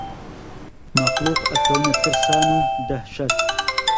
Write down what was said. مەخلووق ئەکەونە ترسان و دەهشەت